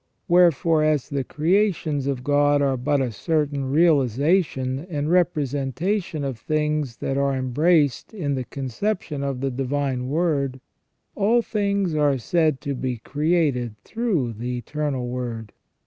Wherefore as the creations of God are but a certain reali zation and representation of things that are embraced in the concep tion of the Divine Word, all things are said to be created through the Eternal Word.